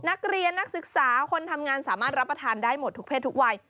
นักเรียนนักศึกษาคนทำงานสามารถรับประทานได้หมดทุกเพศทุกวัย